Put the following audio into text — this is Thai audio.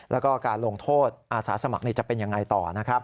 แล้วก็การลงโทษอาสาสมัครจะเป็นยังไงต่อนะครับ